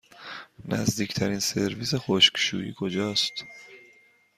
نزدیکترین سرویس خشکشویی کجاست؟